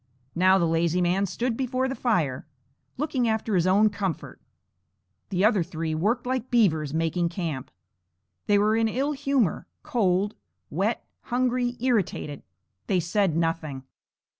Now the lazy man stood before the fire, looking after his own comfort. The other three worked like beavers, making camp. They were in ill humor, cold, wet, hungry, irritated. They said nothing.